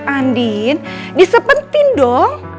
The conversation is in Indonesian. andin disepentin dong